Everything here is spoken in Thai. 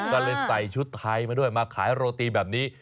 ก็เลยใส่ชุดไทยมาด้วยมาขายโรตีแบบนี้